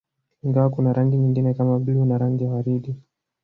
Ingawa kuna rangi nyingine kama bluu na rangi ya waridi